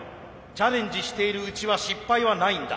チャレンジしているうちは失敗はないんだ。